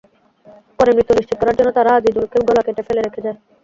পরে মৃত্যু নিশ্চিত করার জন্য তাঁরা আজিজুলকে গলা কেটে ফেলে রেখে যায়।